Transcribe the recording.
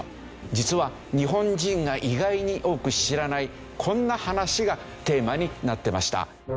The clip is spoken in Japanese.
実は日本人が意外に多く知らないこんな話がテーマになっていました。